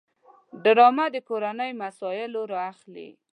ډرامه د کورنۍ مسایل راخلي